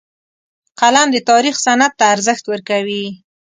قلم د تاریخ سند ته ارزښت ورکوي